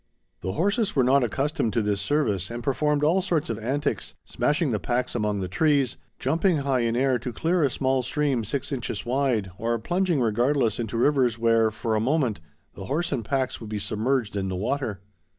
The horses were not accustomed to this service and performed all sorts of antics, smashing the packs among the trees, jumping high in air to clear a small stream six inches wide, or plunging regardless into rivers where, for a moment, the horse and packs would be submerged in the water.